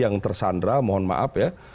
yang tersandra mohon maaf ya